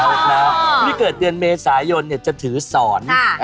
ผู้ที่เกิดเดือนเมษายนจะถือสอน